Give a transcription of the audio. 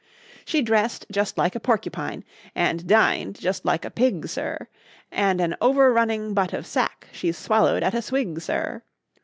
She dress'd just like a porcupine, and din'd just like a pig, sir, And an over running butt of sack she swallow'd at a swig, sir!